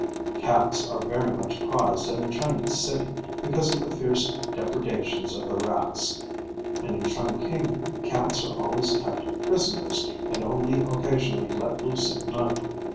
_] Cats are very much prized in a Chinese city, because of the fierce depredations of the rats; and in Chungking cats are always kept prisoners, and only occasionally let loose at night.